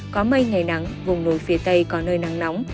có mây ngày nắng vùng núi phía tây có nơi nắng nóng